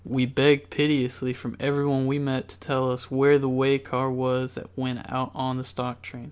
We begged piteously from everyone we met to tell us where the way car was that went out on the stock train.